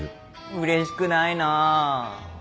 うれしくないな。